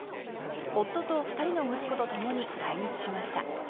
夫と２人の息子とともに来日しました。